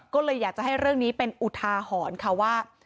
ก็เลยอยากจะให้เรื่องนี้เป็นอุทาหรณ์ค่ะว่า